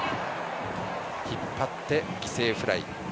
引っ張って、犠牲フライ。